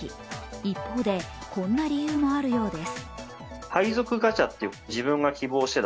一方でこんな理由もあるようです。